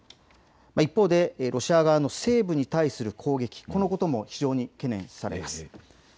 一方でロシア側の西部に対する攻撃、このことも非常に懸念されます。